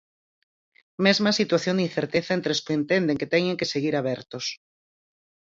Mesma situación de incerteza entre os que entenden que teñen que seguir abertos.